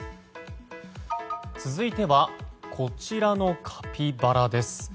続いてはこちらのカピバラです。